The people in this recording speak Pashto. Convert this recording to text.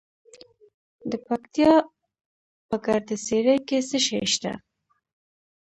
د پکتیا په ګرده څیړۍ کې څه شی شته؟